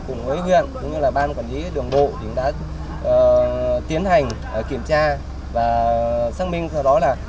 cùng với huyện cũng như là ban quản lý đường bộ thì đã tiến hành kiểm tra và xác minh theo đó là